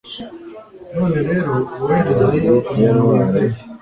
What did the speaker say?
none rero woherezeyo umuntu wizeye